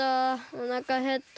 おなかへった。